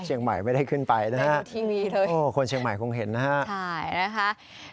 เฉียงใหม่ไม่ได้ขึ้นไปนะฮะโอ้คนเฉียงใหม่คงเห็นนะฮะโอ้ได้ดูทีวีเลย